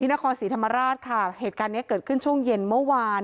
นครศรีธรรมราชค่ะเหตุการณ์นี้เกิดขึ้นช่วงเย็นเมื่อวาน